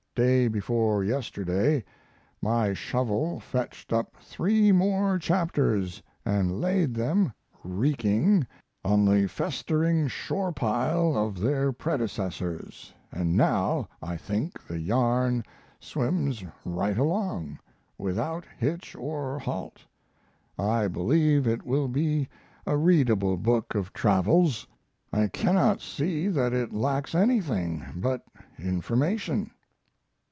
Day before yesterday my shovel fetched up three more chapters and laid them, reeking, on the festering shore pile of their predecessors, and now I think the yarn swims right along, without hitch or halt. I believe it will be a readable book of travels. I cannot see that it lacks anything but information.